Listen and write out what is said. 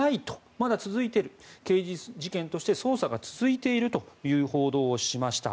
まだ続いている刑事事件として捜査が続いているという報道をしました。